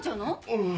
うん。